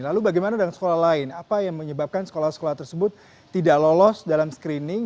lalu bagaimana dengan sekolah lain apa yang menyebabkan sekolah sekolah tersebut tidak lolos dalam screening